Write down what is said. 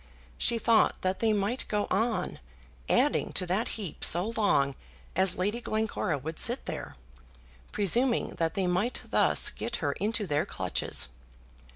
She thought that they might go on adding to that heap so long as Lady Glencora would sit there, presuming that they might thus get her into their clutches.